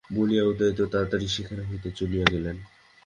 বলিয়াই উদয়াদিত্য তাড়াতাড়ি সেখান হইতে চলিয়া গেলেন।